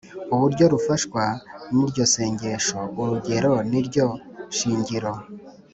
uburyo rufashwa n’iryo sengesho: “urugo niryo shingiro